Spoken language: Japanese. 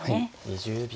２０秒。